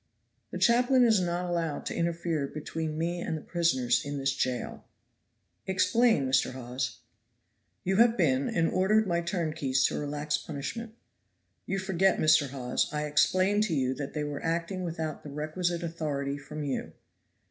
"The chaplain is not allowed to interfere between me and the prisoners in this jail." "Explain, Mr. Hawes." "You have been and ordered my turnkeys to relax punishment." "You forget, Mr. Hawes, I explained to you that they were acting without the requisite authority from you."